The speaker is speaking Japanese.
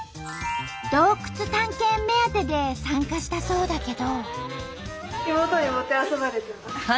洞窟探検目当てで参加したそうだけど。